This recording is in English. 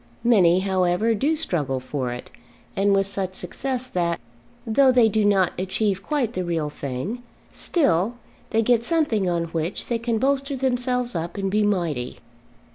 Many, however, do struggle for it, and with such success that, though they do not achieve quite the real thing, still they get something on which they can bolster themselves up and be mighty.